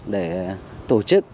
để tổ chức